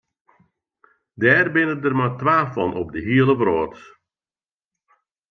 Dêr binne der mar twa fan op de hiele wrâld.